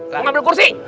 mau ngambil kursi